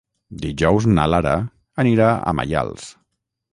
Dijous na Lara anirà a Maials.